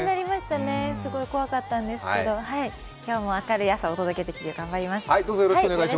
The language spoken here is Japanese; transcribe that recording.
すごい怖かったんですけど今日も明るい朝を届けるように頑張ります。